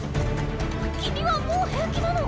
君はもう平気なの？